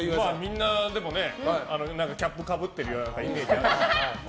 みんなキャップかぶってるイメージあるよね。